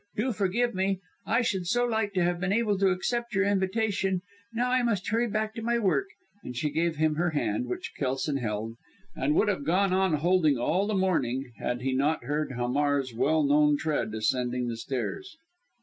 "Do forgive me. I should so like to have been able to accept your invitation. Now I must hurry back to my work," and she gave him her hand, which Kelson held, and would have gone on holding all the morning, had he not heard Hamar's well known tread ascending the stairs.